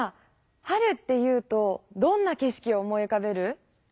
春っていうとどんなけ色を思いうかべる？